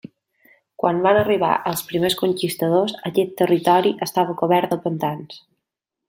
Quan van arribar els primers conquistadors aquest territori estava cobert de pantans.